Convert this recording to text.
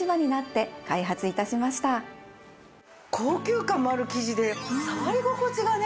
高級感もある生地で触り心地がね